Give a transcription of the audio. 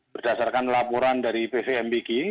berdasarkan laporan dari bvmbg